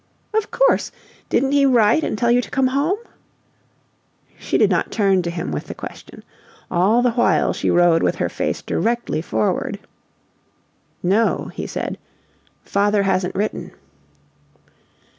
"Of course! Didn't he write and tell you to come home?" She did not turn to him with the question. All the while she rode with her face directly forward. "No," he said; "father hasn't written."